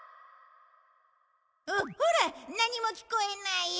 ほら何も聞こえない。